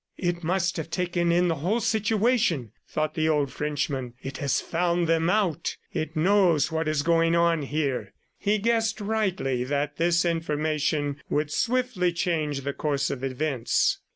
"It must have taken in the whole situation," thought the old Frenchman. "It has found them out; it knows what is going on here." He guessed rightly that this information would swiftly change the course of events.